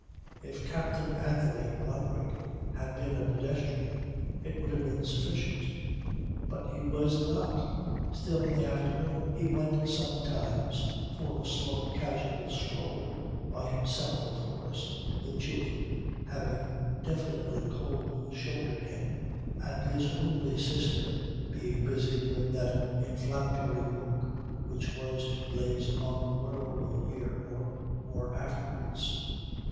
If Captain Anthony (Roderick) had been a pedestrian it would have been sufficient; but he was not. Still, in the afternoon, he went sometimes for a slow casual stroll, by himself of course, the children having definitely cold shouldered him, and his only sister being busy with that inflammatory book which was to blaze upon the world a year or more afterwards.